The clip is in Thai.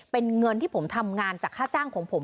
เป็นเงินที่ผมทำงานจากค่าจ้างของผม